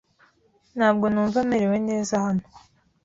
Ntabwo numva merewe neza hano.